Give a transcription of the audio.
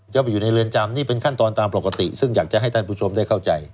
จะไปอยู่ในเรือนจำนี่เป็นขั้นตอนตามปกติซึ่งอยากจะให้ท่านผู้ชมได้เข้าใจ